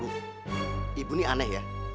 ibu ibu ini aneh ya